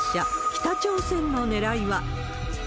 北朝鮮のねらいは。